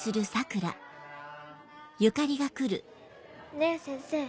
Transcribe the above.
ねぇ先生